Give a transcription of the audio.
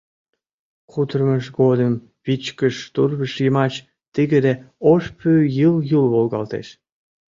Кутырымыж годым вичкыж тӱрвыж йымач тыгыде ош пӱй йыл-юл волгалтеш.